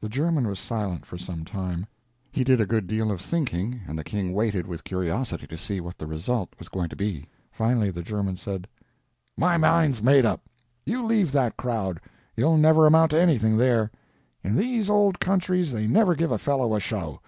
The German was silent for some time. He did a good deal of thinking, and the king waited with curiosity to see what the result was going to be. Finally the German said: "My mind's made up. You leave that crowd—you'll never amount to anything there. In these old countries they never give a fellow a show.